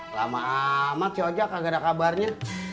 lama amat cocok gak ada kabarnya